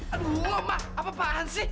aduh emang apaan sih